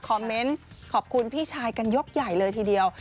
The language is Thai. เมนต์ขอบคุณพี่ชายกันยกใหญ่เลยทีเดียว